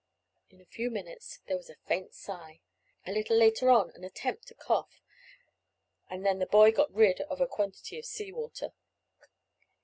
In a few minutes there was a faint sigh, a little later on an attempt to cough, and then the boy got rid of a quantity of sea water.